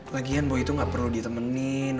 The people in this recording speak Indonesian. lagian boy itu gak perlu ditemenin